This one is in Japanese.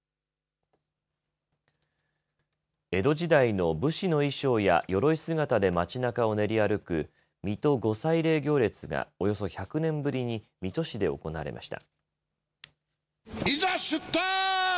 江戸時代の武士の衣装やよろい姿で街なかを練り歩く水戸御祭禮行列がおよそ１００年ぶりに水戸市で行われました。